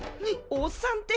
おっさんって。